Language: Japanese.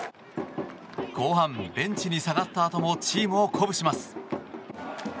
後半、ベンチに下がったあともチームを鼓舞します。